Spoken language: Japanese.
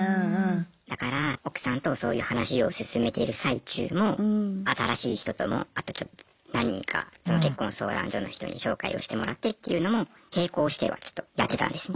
だから奥さんとそういう話を進めている最中も新しい人ともあとちょっと何人か結婚相談所の人に紹介をしてもらってっていうのも並行してはちょっとやってたんですね。